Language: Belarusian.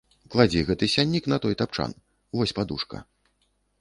Кладзі гэты сяннік на той тапчан, вось падушка.